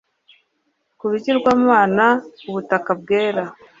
Kubigirwamana ubutaka bwera